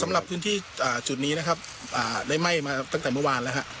สำหรับพื้นที่จุดนี้นะครับได้ไหม้มาตั้งแต่เมื่อวานแล้วฮะ